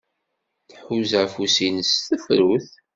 Tḥuza afus-nnes s tefrut.